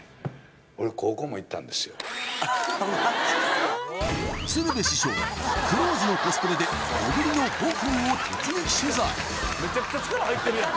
俺鶴瓶師匠「クローズ」のコスプレで小栗の母校を突撃取材